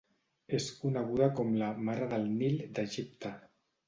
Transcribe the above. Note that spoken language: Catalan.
És coneguda com la "Mare del Nil" d'Egipte.